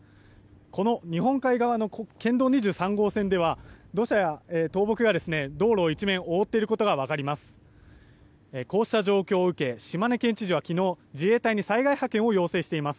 この日本海側の県道２３号線では土砂や倒木が道路を一面覆っていることがわかります。